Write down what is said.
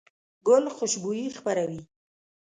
ګل خوشبويي خپروي.